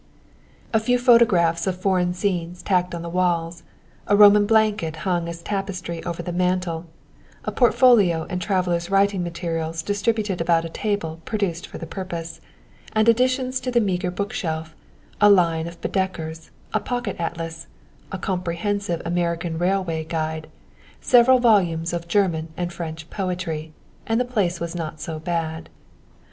A few photographs of foreign scenes tacked on the walls; a Roman blanket hung as a tapestry over the mantel; a portfolio and traveler's writing materials distributed about a table produced for the purpose, and additions to the meager book shelf a line of Baedekers, a pocket atlas, a comprehensive American railway guide, several volumes of German and French poetry and the place was not so bad.